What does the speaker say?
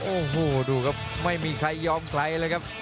โอ้โหดูครับไม่มีใครยอมใครเลยครับ